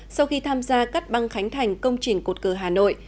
sau khi tham gia cắt băng khánh thành công trình cột cờ hà nội